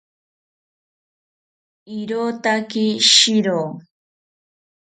Irotaki shiro